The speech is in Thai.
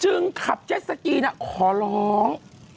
ขับเจ็ดสกีขอร้อง